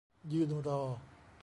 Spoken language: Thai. ยืนรอ